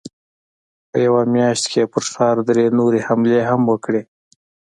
په يوه مياشت کې يې پر ښار درې نورې حملې هم وکړې.